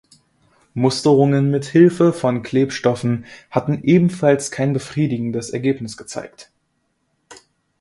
Musterungen mit Hilfe von Klebstoffen hatten ebenfalls kein befriedigendes Ergebnis gezeigt.